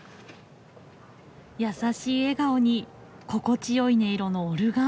優しい笑顔に心地よい音色のオルガン。